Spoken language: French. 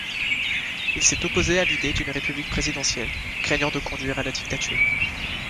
Il s'est opposé à l'idée d'une république présidentielle, craignant de conduire à la dictature.